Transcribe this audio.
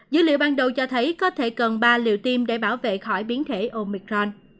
dữ liệu ban đầu cho thấy có thể cần ba liều tiêm để bảo vệ khỏi biến thể omicron